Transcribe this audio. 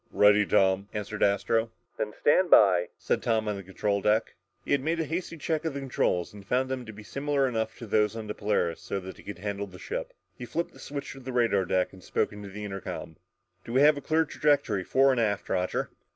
"Ready, Tom," answered Astro. "Then stand by," said Tom on the control deck. He had made a hasty check of the controls and found them to be similar enough to those on the Polaris so that he could handle the ship. He flipped the switch to the radar deck and spoke into the intercom. "Do we have a clear trajectory fore and aft, Roger?"